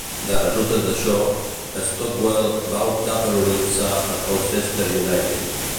De resultes d'això, Stockwell va optar per unir-se a Colchester United.